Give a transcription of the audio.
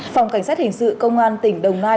phòng cảnh sát hình sự công an tỉnh đồng nai